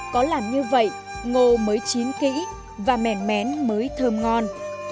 có làm như vậy ngô mới chín kỹ và mẻ mén mới thơm ngon